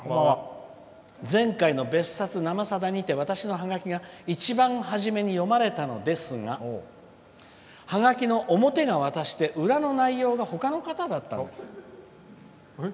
前回の「別冊生さだ」にて私の手紙が一番初めに読まれたのですがハガキの表が私で裏の内容がほかの方だったんです。